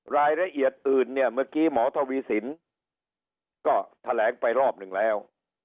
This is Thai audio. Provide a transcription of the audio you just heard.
รายละเอียดอื่นเนี่ยเมื่อกี้หมอทวีสินก็แถลงไปรอบหนึ่งแล้ว